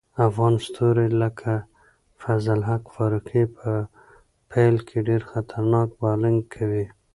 افغان ستوري لکه فضل الحق فاروقي په پیل کې ډېر خطرناک بالینګ کوي.